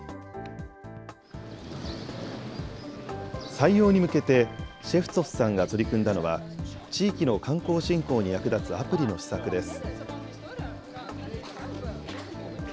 採用に向けて、シェフツォフさんが取り組んだのは、地域の観光振興に役立つアプリの試作です。